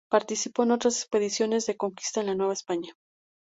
Participó en otras expediciones de conquista en la Nueva España.